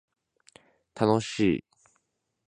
楽しい